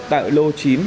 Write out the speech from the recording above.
tại lô chín